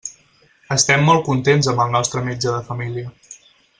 Estem molt contents amb el nostre metge de família.